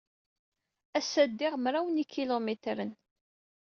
Ass-a ddiɣ mraw n yikilumitren.